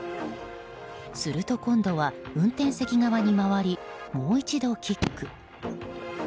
すると今度は、運転席側に回りもう一度キック。